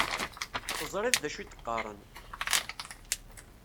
Teẓriḍ d acu i d-qqaren..